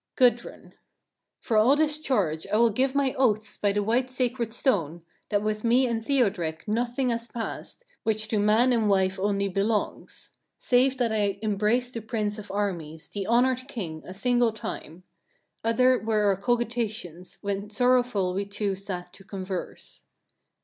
Gudrun. 3. For all this charge I will give my oaths by the white sacred stone, that with me and Thiodrek nothing has passed, which to man and wife only belongs; 4. Save that I embraced the prince of armies, the honoured king, a single time. Other were our cogitations, when sorrowful we two sat to converse.